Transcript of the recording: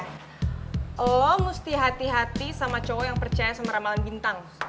oh mesti hati hati sama cowok yang percaya sama ramalan bintang